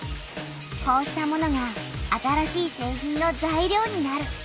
こうしたものが新しい製品の材料になる。